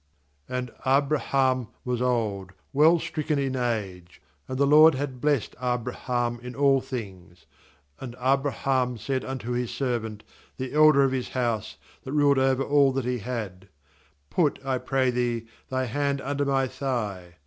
24 And Abraham was old, well ^•*• stricken in age; and the LORD had blessed Abraham in all things. 2And Abraham said unto his servant, the elder of his house, that ruled over all that ho had: Tut, I pray thee, th; hand under my thigh.